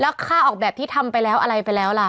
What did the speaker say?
แล้วค่าออกแบบที่ทำไปแล้วอะไรไปแล้วล่ะ